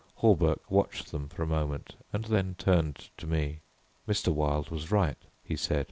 Hawberk watched them for a moment and then turned to me. "Mr. Wilde was right," he said.